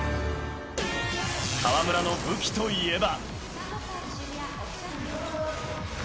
河村の武器といえば。